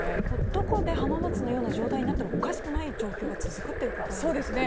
どこで浜松のような状態になってもおかしくない状況が続くってことなんですね。